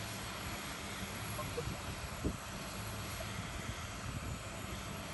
Con este formato a dúo es reconocida artísticamente.